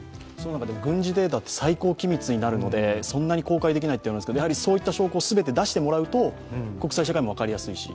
軍事データって最高機密になるのでそんなに公開できないということになりますがやはりそういった証拠を全て出してもらうと、国際社会も分かりやすいし。